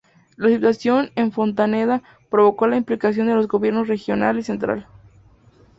La situación en Fontaneda provocó la implicación de los gobiernos regional y central.